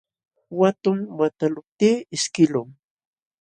Watum wataqluptii ishkiqlun.